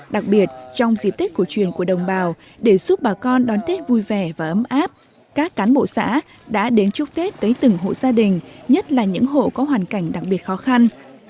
đặc biệt trong dịp tết cổ truyền của đồng bào để giúp bà con đón tết vui vẻ và ấm áp các cán bộ xã đã đến chúc tết tới từng hộ gia đình nhất là những hộ có hoàn cảnh đặc biệt khó khăn